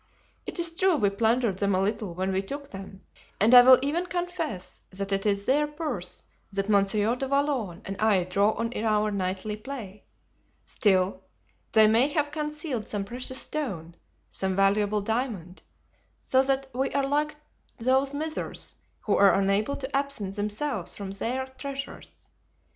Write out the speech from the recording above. It is true we plundered them a little when we took them, and I will even confess that it is their purse that Monsieur du Vallon and I draw on in our nightly play. Still, they may have concealed some precious stone, some valuable diamond; so that we are like those misers who are unable to absent themselves from their treasures.